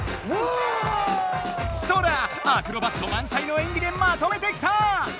ソラアクロバットまんさいのえんぎでまとめてきた！